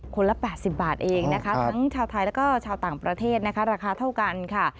ละ๘๐บาทเองนะคะทั้งชาวไทยแล้วก็ชาวต่างประเทศนะคะราคาเท่ากันค่ะ